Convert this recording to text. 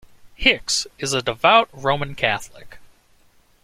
Hicks is a devout Roman Catholic.